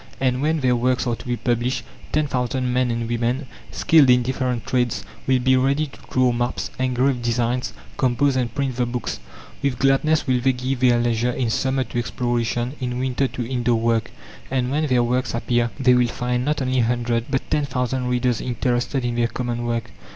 And when their works are to be published, ten thousand men and women, skilled in different trades, will be ready to draw maps, engrave designs, compose, and print the books. With gladness will they give their leisure in summer to exploration, in winter to indoor work. And when their works appear, they will find not only a hundred, but ten thousand readers interested in their common work.